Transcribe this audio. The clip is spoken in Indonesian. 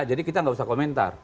jadi kita nggak usah komentar